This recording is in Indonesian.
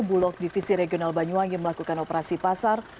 bulog divisi regional banyuwangi melakukan operasi pasar